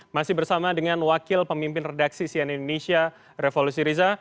masih bersama dengan wakil pemimpin redaksi sian indonesia revolusi riza